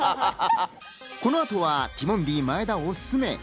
この後はティモンディ・前田おすすめ。